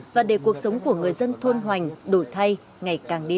và để cuộc sống của người dân thôn hoành đổi thay ngày càng đi lên